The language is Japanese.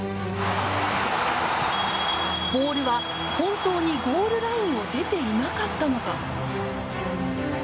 ボールは本当にゴールラインを出ていなかったのか。